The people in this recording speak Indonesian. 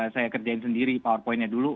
saya kerjain sendiri powerpointnya dulu